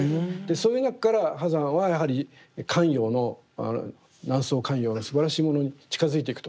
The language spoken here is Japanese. そういう中から波山はやはり官窯の南宋官窯のすばらしいものに近づいていくと。